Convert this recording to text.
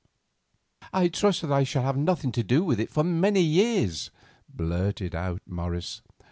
"I trust that I shall have nothing to do with it for many years," blurted out Morris.